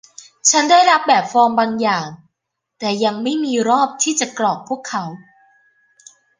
ฉันได้รับแบบฟอร์มบางอย่าง แต่ยังไม่มีรอบที่จะกรอกพวกเขา